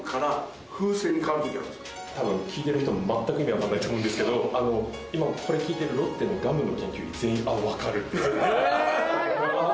多分聞いてる人も全く意味わからないと思うんですけど今これ聞いてるロッテのガムの研究員全員「あっわかる！」って絶対。